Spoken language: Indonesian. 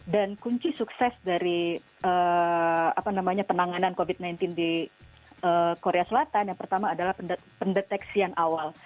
dan kunci sukses dari penanganan covid sembilan belas di korea selatan yang pertama adalah pendeteksi yang awal